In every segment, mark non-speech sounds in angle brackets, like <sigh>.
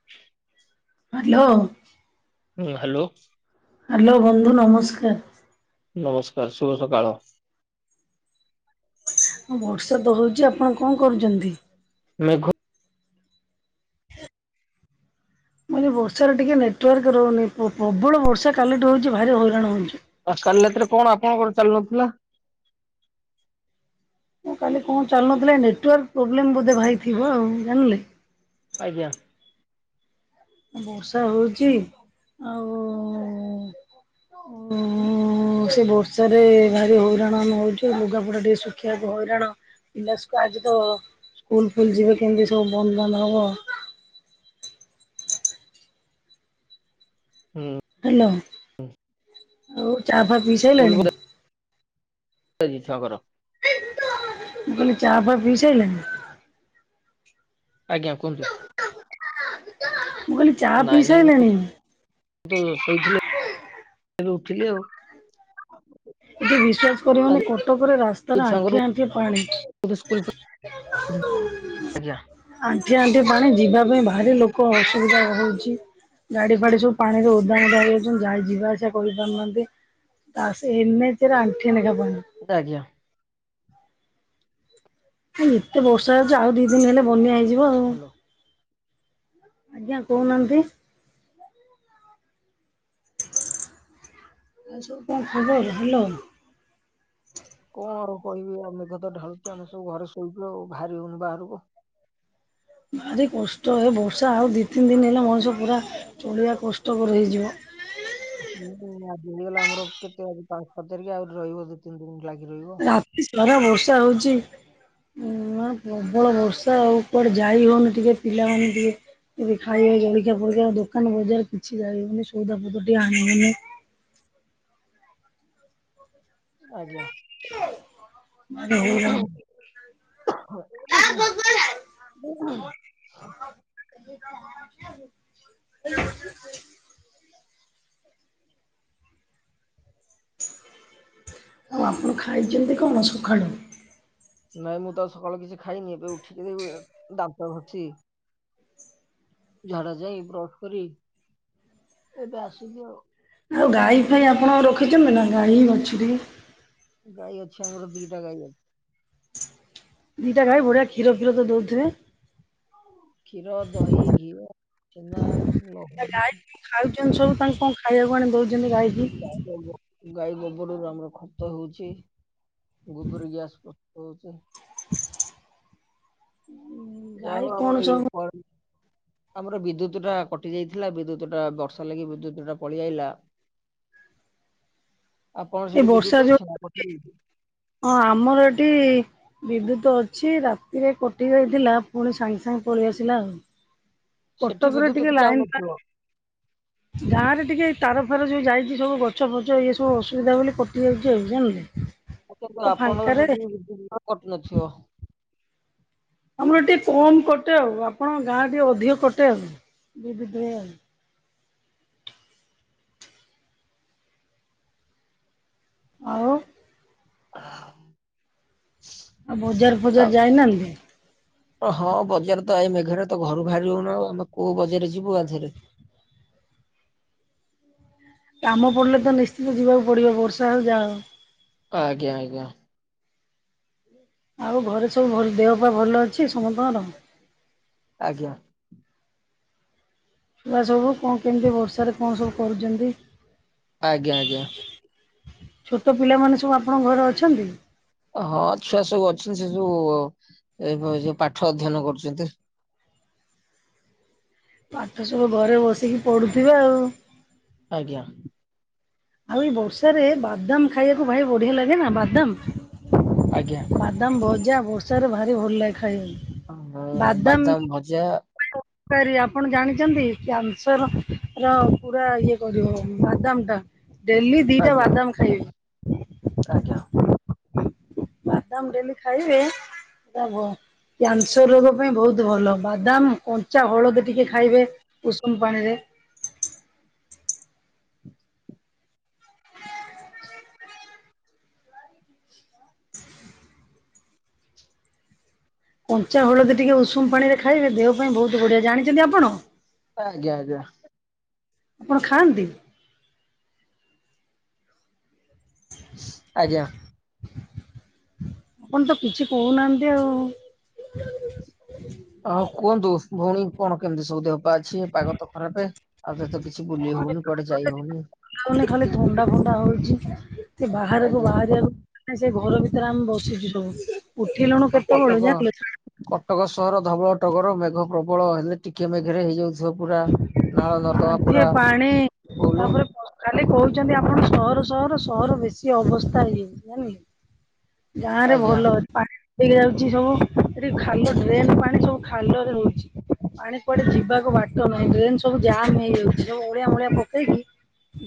<inaudible> Hello. ହୁଁ hello. Hello ବନ୍ଧୁ, ନମସ୍କାର। ନମସ୍କାର, ଶୁଭ ସକାଳ। ବର୍ଷା ଦ ହଉଚି ଆପଣ କଣ କରୁଚନ୍ତି? ମେଘ ମାନେ ବର୍ଷାରେ ଟିକେ ନେଟୱାର୍କ ରହୁନି, ପ୍ରବଳ ବର୍ଷା କାଲିଠୁ ହଉଚି ଭାରି ହଇରାଣ ହଉଚି। ଆଉ କାଲି ରାତିରେ କଣ ଆପଣଙ୍କର ଚାଲୁନଥିଲା? ଉ କାଲି କଣ ଚାଲୁନଥିଲା, ଏ ନେଟୱାର୍କ ପ୍ରୋବ୍ଲେମ୍ ବୋଧେ ଭାଇଥିବ ଆଉ ଜାଣିଲେ। ଆଜ୍ଞା। ବର୍ଷା ହଉଚି, ଆଉ ଉ ହ ସେ ବର୍ଷା ରେ ଭାରି ହଇରାଣ ଆମେ ହଉଚୁ, ଲୁଗାପଟା ଟିକେ ଶୁଖିବାକୁ ହଇରାଣ ପିଲା <unintelligible> ଆଜି ତ, ସ୍କୁଲ୍ ଫୁଲ୍ ଯିବେ କେମିତି ସବୁ ବନ୍ଦ୍ ବାନ୍ଦ୍ ହବ। ହୁଁ। ହେଲା, ଆଉ ଚା ଫା ପି ସାଇଲଣି? <unintelligible> ଛଅ ଘର। ମୁଁ କହିଲି ଚା ଫା ପିସାଇଲେଣି? ଆଜ୍ଞା। କୁହନ୍ତୁ। ମୁଁ କହିଲି ଚା ପିଇ ନାଇଁ ନାଇଁ ମୁଁ ସାଇଲେଣି? ତ ଶୋଇଥିଲି, ଉଠିଲି ଆଉ। ଏଠି ବିଶ୍ୱାସ କରିବନି, ଆଜି କଟକରେ ରାସ୍ତାରେ, ଛୁଆଙ୍କର ଆଣ୍ଠିଏ ଆଣ୍ଠିଏ ପାଣି। ବୋଧେ ସ୍କୁଲ ଆଜ୍ଞା। ଆଣ୍ଠିଏ ଆଣ୍ଠିଏ ପାଣି ଯିବା ପାଇଁ ଭାରି ଲୋକ ଅସୁବିଧା ହଉଚି। ଗାଡି ଫାଡି ସବୁ ପାଣି ରେ ଉଦା ମୋଦା ହେଇଯାଉଛନ୍ତି ଯାାଇ ଯିବା ଆସିବା କରିପାରୁନାହାନ୍ତି। ବାସ୍‌ ଏନ ଏଚରେ ଆଣ୍ଠିଏ ନେଖା ପାଣି। <unintelligible> ଏତେ ବର୍ଷା ହେଉଛି ଆଉ ଦି ଦିନ ହେଲେ ବନ୍ୟା ହେଇଯିବ ଆଉ। ହ୍ୟାଲୋ ଆଜ୍ଞା କହୁନାହାନ୍ତି? ଆଉ ସବୁ କଣ ଖବର ହାଲୋ। କଣ ଆଉ କହିବି, ଆ ମେଘ ତ ଢାଳୁଛି, ଆମେ ସବୁ ଘରେ ଶୋଇଛୁ ଆଉ, ବାହାରି ହଉନି ବାହାରକୁ। ଭାରି କଷ୍ଟ ହେ, ବର୍ଷା ଆଉ ଦୁଇ ତିନି ଦିନ ହେଲେ ମଣିଷ ପୁରା ଚଳିବା କଷ୍ଟକର ହେଇଯିବ। ଗଲା ଆମର କେତେ ଆଜି ପାଞ୍ଚ, ଛଅ ତାରିଖ ଆହୁରି ରହିବ ଦି, ତିନି ଦିନ ଲାଗି ରହିବ। ରାତି ସାରା ବର୍ଷା ହଉଚି ହୁଁ ମା ପ୍ରବଳ ବର୍ଷା ଆଉ କୁଆଡେ ଯାଇ ହଉନି ଟିକେ ପିଲାମାନେ ଟିକେ ଯଦି ଖାଇବା ଜଳିକିଆ ଫଳିକା, ଦୋକାନ ବଜାର, କିଛି ଯାଇହଉନି ସଉଦା ପତର ଟିଏ ଆଣିହଉନି। ଆଜ୍ଞା। <unintelligible> <unintelligible> <unintelligible> ଆପଣ ଖାଇଛନ୍ତି କଣ ସକାଳୁ? ନାଇଁ ମୁଁ ତ ସକାଳୁ କିଛି ଖାଇନି। ଏବେ ଉଠିକି ଦାନ୍ତ ଘଷୁଚି ଝାଡା ଯାଇ, ବ୍ରଶ କରି ଏବେ ଆଶୁଚି ଆଉ। ଆଉ ଗାଈ ଫାଇ ଆପଣ ରଖିଛନ୍ତି ନା ଗାଈ ବାଛୁରୀ ଗାଈ ଅଛି ଆମର ଦିଟା ଗାଈ ଦିଟା ଗାଈ ବଢ଼ିଆ କ୍ଷୀର ଫିର ତ ଦଉ ଥିବେ? କ୍ଷୀର, ଦହିି, ଘିଅ, ଛେନା ଆ ଗାଈ ଖାଉଛନ୍ତି ସବୁ ତାଙ୍କୁ କଣ ଖାଇବାକୁ ଆଣି ଦଉଛନ୍ତି ଗାଈକି? ଗାଈ ଗୋବରରୁ ଆମର ଖତ ହଉଚି ଗୋବର ଗ୍ୟାସ୍ ପ୍ରସ୍ତୁତ ହଉଚି ଯା ଗାଈ ହଉ କଣ ଆମର ଇଏ ସବୁ <unintelligible> ଆମର ବିଦ୍ୟୁତ ଟା କଟି ଯାଇଥିଲା ବିଦ୍ୟୁତଟା ବର୍ଷା ଲାଗି ବିଦ୍ୟୁତ ଟା ପଳେଇ ଆଇଲା ଆପଣ ସେଠି ଏ ବର୍ଷା ବିଦ୍ୟୁତ ଯୋଉ ଅଛି ନା କଟି ଯାଇଚି? ହଁ, ଆମର ଏଠି ବିଦ୍ୟୁତ ଅଛି ରାତିରେ କଟି ଯାଇଥିଲା, ପୁଣି ସାଙ୍ଗେ ସାଙ୍ଗେ ପଳେଇ ଆସିଲା ଆଉ। ସେଠି କଟକରେ ବିଦ୍ୟୁତ ଟିକେ ଏତେ ଲାଇନ୍ ଟା ଯାଉନଥିବ। ଗାଁ ରେ ଟିକେ ତାର ଫାର ଯୋଉ ଯାଇଚି ସବୁ ଗଛ ଫଛ ଇଏ ସବୁ ଅସୁବିଧା ବୋଲି କଟିଯାଇଚି ଜାଣିଲ କି କିନ୍ତୁ ଆପଣଙ୍କର ସେଠି ବିଦ୍ୟୁତ <unintelligible> କଟୁନଥିବ। ଆମର ଏଠି କମ୍ କଟେ ଆଉ, ଆପଣ ଗାଁ ଟିକେ ଅଧିକ କଟେ ଆଉ। ଆଉ <inaudible> ଆଉ ବଜାର ଆ- ଫଜାର ଯାଇନାହାନ୍ତି? ହଁ। ବଜାର ତ, ଏଇ ମେଘରେ ତ ଘରୁ ବାହାରି ହଉନ ଆଉ, ଆମେ କୋଉ ବଜାର ଯିବୁ ଆଧରେ? କାମ ପଡ଼ିଲେ ତ, ନିଶ୍ଚିତ ଯିବାକୁ ପଡିବ ବର୍ଷା ହେଉ ଯାହା ହଉ ଆଜ୍ଞା ଆଜ୍ଞା। ଆଉ ଘରେ ସବୁ ଭଲ? ଦେହ ବାପା ଭଲ ଅଛି ସମସ୍ତଙ୍କର? ଆଜ୍ଞା। ଛୁଆ ସବୁ, କଣ କେମିତି ବର୍ଷାରେ କଣ ସବୁ କରୁଛନ୍ତି? ଆଜ୍ଞା ଆଜ୍ଞା। ଛୋଟ ପିଲାମାନେ ସବୁ ଆପଣଙ୍କ ଘରେ ଅଛନ୍ତି? ହଁ ଛୁଆ ସବୁ ଅଛନ୍ତି। ସେ ସବୁ ଏ ଯୋଉ ପାଠ ଅଧ୍ୟୟନ କରୁଛନ୍ତି। ପାଠ ସବୁ ଘରେ ବସିକି ପଡ଼ୁଥିବେ ଆଉ? ଆଜ୍ଞା। ଭାଇ ବର୍ଷାରେ ବାଦାମ୍ ଖାଇବାକୁ ଭାଇ ବଢିଆ ଲାଗେ ନା? ବାଦାମ୍। ଆଜ୍ଞା। ବାଦାମ ଭଜା, ବର୍ଷା ରେ ଭାରି ଭଲ ଲାଗେ ଖାଇବାକୁ। ବାଦାମ ଭଜା କାରୀ ଆପଣ ଜାଣିଛନ୍ତି? କ୍ୟାନସର ର, ପୁରା ଇଏ କରିବ ବାଦାମ ଟା। ଡେଲି ଦିଟା ଆଜ୍ଞା ବାଦାମ ଖାଇବେ। ଆଜ୍ଞା। ବାଦାମ ଡେଲି ଖାଇବେ, ବ କ୍ୟାନସର ରୋଗ ପାଇଁ ବହୁତ ଭଲ। ବାଦାମ, କଞ୍ଚା ହଳଦୀ ଟିକେ ଖାଇବେ। ଉଷୁମ ପାଣିରେ କଞ୍ଚା ହଳଦୀ ଟିକେ ଉଷୁମ ପାଣିରେ ଖାଇବେ ଦେହ ପାଇଁ ବହୁତ ବଢିଆ ଜାଣିଛନ୍ତି ଆପଣ? ଆଜ୍ଞା ଆଜ୍ଞା। ଆପଣ ଖାଆନ୍ତି? ଆଜ୍ଞା। ଆପଣ ତ କିଛି କହୁନାହାନ୍ତି ଆଉ। ହଁ କୁହନ୍ତୁ ଭଉଣୀ କଣ କେମିତି ସବୁ ଦ ଅଛି ପାଗ ତ ଖରାପ ଆଉ ତତ କିଛି ବୁଲି ହଉନି କୁଆଡେ ଯାଇ ହଉନି। ଖାଲି ଥଣ୍ଡା ଫଣ୍ଡା ହଉଛି ସେ ବାହାରକୁ ଆଜ୍ଞା। ବାହାରିବାକୁ ନା ସେ ଘର ଭିତରେ ଆମେ ବସିଛ ସବୁ। ଉଠିଲୁଣି ଆ କଟକ କଟକ ସହର ଧବଳ ଟଗର ମେଘ ପ୍ରବଳ ହେଲେ ଟିକିଆ ମେଘରେ ହେଇଯାଉଛି ନାଳ ନର୍ଦ୍ଦମା ପୁରା ଫୁଲ୍। କାଲି କହୁଛନ୍ତି ଆପଣ ସହର ସହର ସହର ବେଶୀ ଅବସ୍ଥା ହେଇଯାଇଛି ହେଲା। ଗାଁ ରେ ଆଜ୍ଞା ଭଲ ଅଛି। ପାଣି ଯାଉଛି ସବୁ ସେଠି ଖାଲ ଡ୍ରେନ ପାଣି ସବୁ ଖାଲ ରହୁଛି। ପାଣି କୁଆଡେ ଯିବାକୁ ବାଟ ନାଇଁ ଡ୍ରେନ ସବୁ ଜାମ ହେଇଯାଉଛି ସବୁ ଅଳିଆ ମଳିଆ ପକେଇକି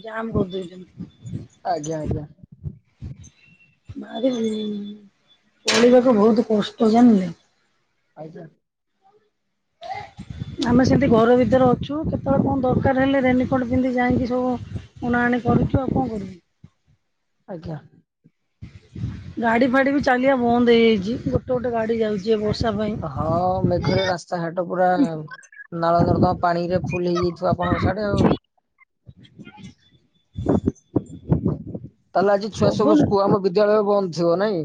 ଜାମ କରିଦଉଛନ୍ତି। ଆଜ୍ଞା ଆଜ୍ଞା। ଚଳିବାକୁ ବହୁତ କଷ୍ଟ ଜାଣିଲେ। ଆଇଛା ଏକ <inaudible> ଆମେ ସେମିତି ଘର ଭିତରେ ଅଛୁ କେତେବେଳେ କଣ ଦରକାର ହେଲେ ରେନିକୋଟ ପିନ୍ଧି ଯାଇକି ସବୁ ଅଣା ଅଣି କରୁଚୁ ଆଉ କଣ କରିବୁ। ଆଜ୍ଞା। ଗାଡି ଫାଡି ବି ଚାଲିବା ବନ୍ଦ ହେଇଯାଇଛି ଗୋଟେ ଗୋଟେ ଗାଡି ଯାଉଛି ବର୍ଷା ପାଇଁ। ହଁ ମେଘରେ ରାସ୍ତାଘାଟ ପୁରା ନାଳ ନର୍ଦମା ପାଣିରେ ଫୁଲ ହେଇଯାଇଥିବ ଆପଣଙ୍କ ସାଡେ ଆଉ। ତାହେଲେ ଆଜି ଛୁଆ ସବୁ ପବନ ସ୍କୁ ଆମ ବିଦ୍ୟାଳୟ ବନ୍ଦ ଥିବ ନାଇଁ?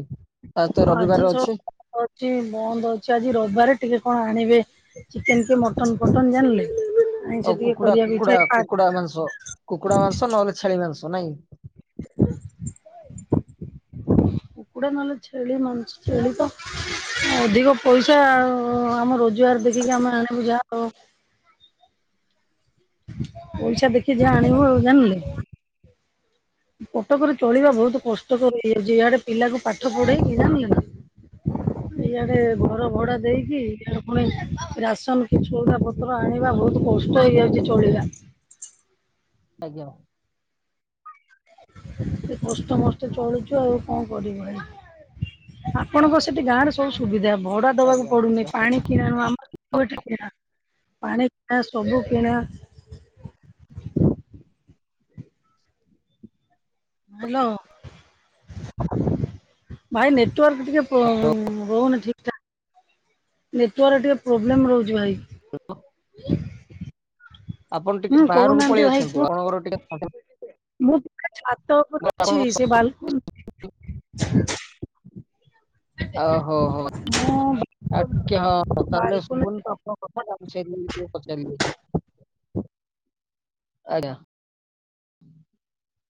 ତ ଆଜି ରବିବାର ଅଛି ସବୁ ଅଛି ବନ୍ଦ ଅଛି ଆଜି ରବିବାରେ ଟିକେ କଣ ଆଣିବେ। ଚିକେନ କି ମଟନ ଫଟନ ଜାଣିଲେ। ଆଇଁଷ ଆଉ ଟିକେ କୁକୁଡ଼ା କରିବାକୁ ଇଚ୍ଛା କୁକୁଡା ଆ କୁକୁଡା ମାଂସ କୁକୁଡା ମାଂସ ନହେଲେ ଛେଳି ମାଂସ ନାଇଁ? କୁକୁଡା ନହେଲେ ଛେଳି ମାଂସ ଛେଳି ତ ଅଧିକ ପଇସା ଆଉ। ଆମ ରୋଜଗାର ଜୁଆର ବିକିକି ଆମେ ଆଣିବୁ ଯାହା ଆଉ। ପଇସା ଦେଖି ଯାହା ଆଣିବୁ ଆଉ ଆଜ୍ଞା ଜାଣିଲୁ। କଟକରେ ଚଳିବା ବହୁତ କଷ୍ଟକର ହେଇଯାଉଛି ଆଡେ ପିଲାକୁ ପାଠ ପଢେଇକି ଜାଣିଲ ନା। ଏଇଆଡେ ଘର ଭଡା ଦେଇକି ପୁଣି ରାସନ କି ସଉଦା ପତ୍ର ଆଣିବା ବହୁତ କଷ୍ଟ ହେଇଯାଉଚି ଚଳିବା। ଆଜ୍ଞା। କଷ୍ଟ ମଷ୍ଟେ ଚଳୁଚୁ ଆଉ କଣ କରିଵା ଆପଣଙ୍କ ସେଠି ଗାଁରେ ସବୁ ସୁବିଧା ଭଡା ଦବାକୁ ଆଜ୍ଞା ପଡୁନି ଯା ପାଣି କିଣା ଆମର କିଣା ପାଣି କିଣା ସବୁ କିଣା। ହ୍ୟାଲୋ। ଭାଇ ନେଟୱାର୍କ ଟିକେ ରହୁନି ଠିକଠାକ୍। ନେଟୱାର୍କରେ ଟିକେ ପ୍ରୋବ୍ଲେମ୍ ରହୁଚି ଭାଇ। <unintelligible> ଆପଣ ଟିକେ ହୁଁ ବାହାରକୁ କହୁନାହାନ୍ତି ପଳେଇ ଭାଇ କୁହ। ଆସନ୍ତୁ ଆପଣଙ୍କର ଟିକେ ମୁଁ ପା ଛାତ ଉପରେ ଅଛି ଆପଣଙ୍କ ସେ ବାଲକୁନୀ ଓହୋ ହଉ ଆଉ ବାଲକୁନି ଟିକେ ହଁ ତାହେଲେ ଶୁଭୁନି ବାଲକୁନି ତ। <unintelligible> ଆଜ୍ଞା।